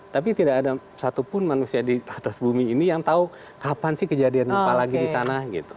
tapi tidak ada satupun manusia di atas bumi ini yang tahu kapan sih kejadian apa lagi di sana gitu